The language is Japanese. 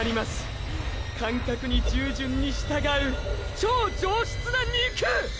感覚に従順に従う超上質な筋肉！！